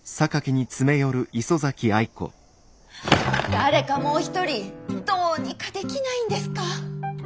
誰かもう一人どうにかできないんですか？